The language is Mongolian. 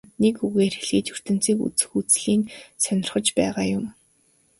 Нэг үгээр хэлэхэд ертөнцийг үзэх үзлий нь сонирхож байгаа юм.